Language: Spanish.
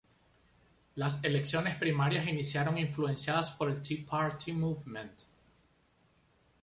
Las elecciones primarias iniciaron influenciadas por el Tea Party movement.